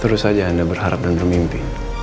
terus saja anda berharap dan bermimpi